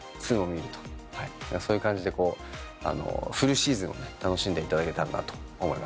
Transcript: そういう感じでフルシーズンを楽しんでいただけたらなと思います。